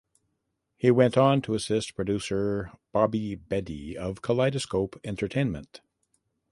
He went on to assist Producer Bobby Bedi of Kaleidoscope Entertainment.